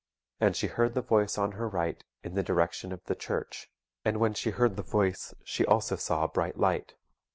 And she heard the voice on her right, in the direction of the church; and when she heard the voice she also saw a bright light.